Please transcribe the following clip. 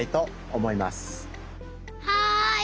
はい！